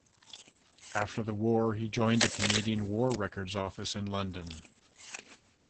After the war he joined the Canadian War Records Office in London.